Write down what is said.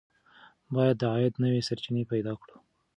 باید د عاید نوې سرچینې پیدا کړو.